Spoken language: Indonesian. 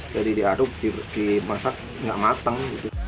jadi diaduk dimasak nggak matang